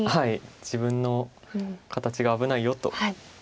「自分の形が危ないよ」と。